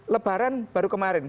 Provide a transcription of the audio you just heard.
lebaran baru kemarin